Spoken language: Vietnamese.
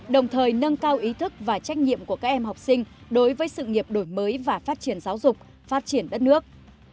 đồng thời nâng cao ý thức và trách nhiệm của các em học sinh đối với sự nghiệp đổi mới và phát triển giáo dục phát triển đất nước